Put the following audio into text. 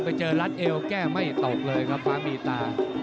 ไปเจอรัดเอวแก้ไม่ตกเลยครับฟ้ามีตา